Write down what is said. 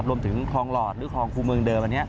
รวมถึงคลองหลอดหรือคลองครูเมืองเดิมอันนี้